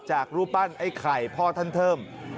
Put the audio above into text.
รูปปั้นไอ้ไข่พ่อท่านเทิม